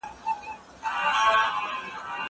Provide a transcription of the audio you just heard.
زه باید منډه ووهم!